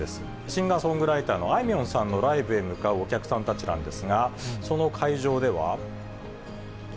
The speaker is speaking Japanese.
シンガーソングライターのあいみょんさんのライブへ向かうお客さんたちなんですが、その会場では。